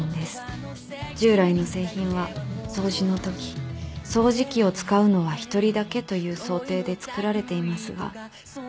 「従来の製品は掃除のとき掃除機を使うのは一人だけという想定で作られていますがそのせいで」